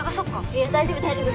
いや大丈夫大丈夫。